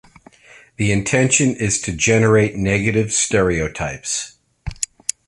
The intention is to generate negative stereotypes.